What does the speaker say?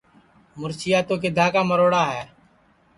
مُرچیا تو کِدھا کا مروڑا ہے